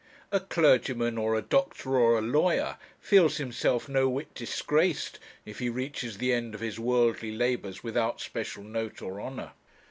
A clergyman, or a doctor, or a lawyer, feels himself no whit disgraced if he reaches the end of his worldly labours without special note or honour.